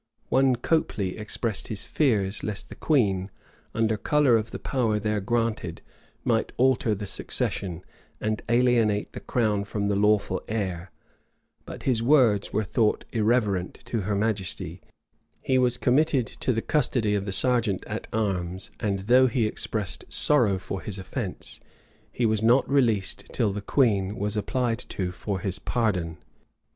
One Copely expressed his fears lest the queen, under color of the power there granted, might alter the succession, and alienate the crown from the lawful heir; but his words were thought "irreverent" to her majesty: he was committed to the custody of the serjeant at arms, and though he expressed sorrow for his offence, he was not released till the queen was applied to for his pardon.